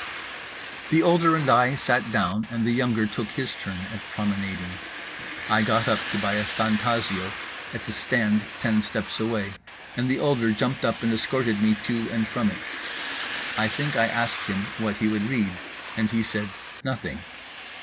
The older and I sat down, and the younger took his turn at promenading. I got up to buy a Fantasio at the stand ten steps away, and the older jumped up and escorted me to and from it. I think I asked him what he would read? and he said "Nothing."